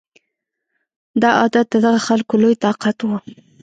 دا عادت د دغه خلکو لوی طاقت و